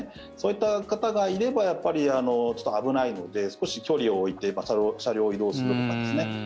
そういった方がいればやっぱり、ちょっと危ないので少し距離を置いて車両を移動するとかですね